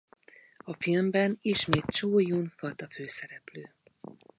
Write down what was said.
A filmben ismét Chow Yun-fat a főszereplő.